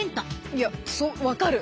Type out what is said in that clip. いや分かる。